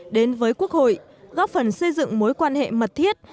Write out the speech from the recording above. đến với quốc hội góp phần xây dựng mối quan hệ mật thiết